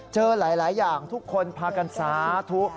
เจอหลายอย่างทุกคนพากันสาธุ